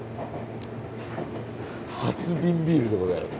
初瓶ビールでございます。